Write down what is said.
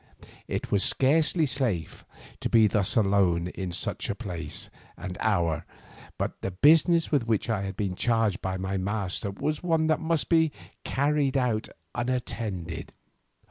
It was scarcely safe to be thus alone in such a place and hour, but the business with which I had been charged by my master was one that must be carried out unattended.